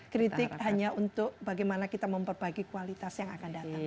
kritik hanya untuk bagaimana kita memperbaiki kualitas yang akan datang